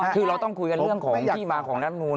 คือเราต้องคุยกันเรื่องของที่มาของรัฐมนูล